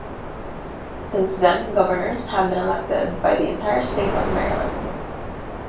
Since then, governors have been elected by the entire state of Maryland.